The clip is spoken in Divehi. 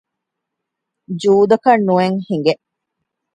ޖޫދަކަށް ނުއެއް ހިނގެ